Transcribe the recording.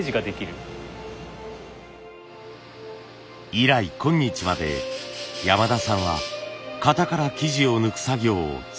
以来今日まで山田さんは型から素地を抜く作業を続けています。